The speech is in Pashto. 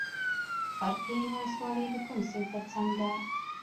قرقین ولسوالۍ د کوم سیند تر څنګ ده؟